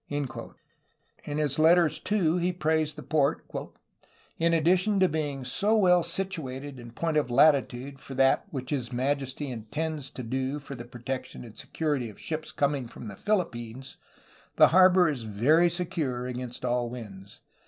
SEBASTIAN VIZCAINO 135 In his letters, too, he praised the port: "in addition to being so well situated in point of latitude for that which His Majesty intends to do for the protection and security of ships coming from the Philippines ... the harbor is very secure against all winds.